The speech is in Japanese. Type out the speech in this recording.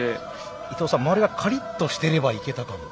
伊藤さん周りがカリッとしてればいけたかも。